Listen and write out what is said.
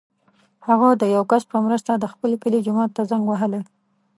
هغه د یو کس په مرسته د خپل کلي جومات ته زنګ وهلی.